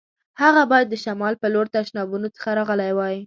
هغه باید د شمال په لور تشنابونو څخه راغلی وای.